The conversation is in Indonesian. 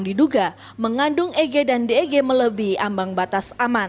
diduga mengandung ege dan deg melebihi ambang batas aman